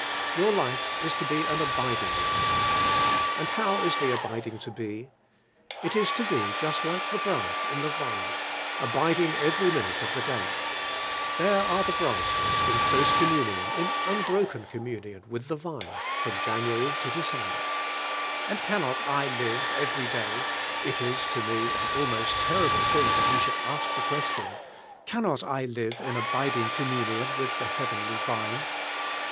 Your life is Jo he an abiding life. And how is the abiding to he? It fcs to be just like the brunch In the vine, abiding every minute oF I lie dny. There sire I lie branches, in close communion, in unbrok en Eomi tion, with the vine, from Jan miry to December. Am! cannot I live every day — it ia to me an almost terrible thing that we should ask the question — cannot I live in abiding communion with the heavenly Vine?